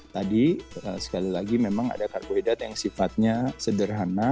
tadi sekali lagi memang ada karbohidrat yang sifatnya sederhana